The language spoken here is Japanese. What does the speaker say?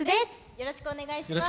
よろしくお願いします。